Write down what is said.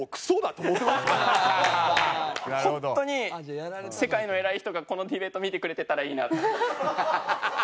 本当に世界の偉い人がこのディベートを見てくれてたらいいな。